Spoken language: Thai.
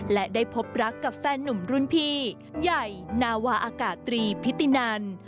และได้พบรักกับแฟนหนุ่มรุ่นพี่ใหญ่นาวาอากาศตรีพิตินัน